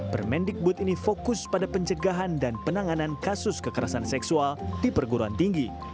permendikbud ini fokus pada pencegahan dan penanganan kasus kekerasan seksual di perguruan tinggi